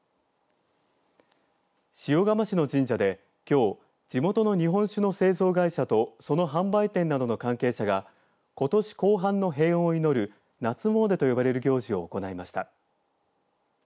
塩釜市の神社で、きょう地元の日本酒の製造会社とその販売店などの関係者がことし後半の平穏を祈る夏詣と呼ばれる行事を行いました。